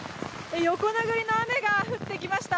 横殴りの雨が降ってきました。